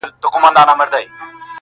یوه ورځ وو یو صوفي ورته راغلی!!